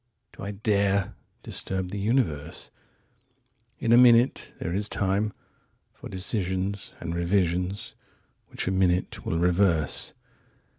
45Do I dare46Disturb the universe?47In a minute there is time48For decisions and revisions which a minute will reverse.